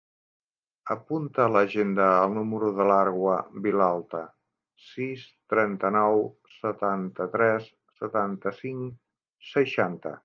Apunta a l'agenda el número de l'Arwa Vilalta: sis, trenta-nou, setanta-tres, setanta-cinc, seixanta.